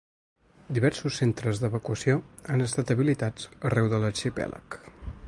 Diversos centres d’evacuació han estat habilitats arreu de l’arxipèlag.